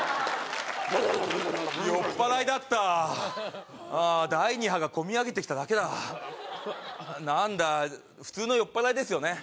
酔っぱらいだったああ第２波がこみ上げてきただけだ何だ普通の酔っぱらいですよね